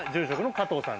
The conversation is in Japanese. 加藤さん！